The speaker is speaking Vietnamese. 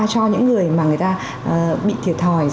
cho những người mà người ta bị thiệt thòi